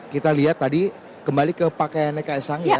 kita lihat tadi kembali ke pakaiannya kaisang ya